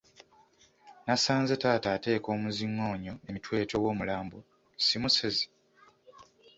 Nasanze taata ateeka omuzingoonyo emitwetwe w'omulambo, si musezi?